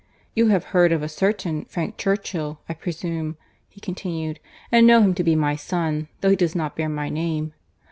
"You have heard of a certain Frank Churchill, I presume," he continued—"and know him to be my son, though he does not bear my name."